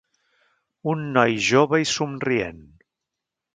Un noi jove i somrient.